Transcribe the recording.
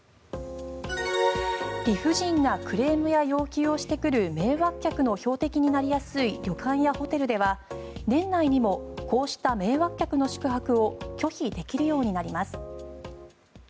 理不尽なクレームや要求をしてくる迷惑客の標的になりやすい旅館やホテルでは年内にもこうした迷惑客の宿泊を拒否できるようになります。